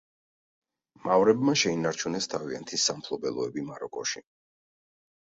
მავრებმა შეინარჩუნეს თავიანთი სამფლობელოები მაროკოში.